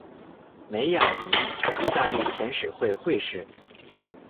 梅雅谊，意大利遣使会会士。